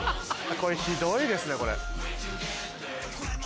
これひどいですね。